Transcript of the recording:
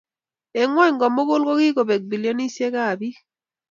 Eng ngwony komugul kokikobek bilionisiekab bik